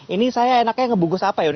ini saya enaknya ngebungkus apa ya